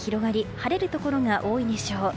晴れるところが多いでしょう。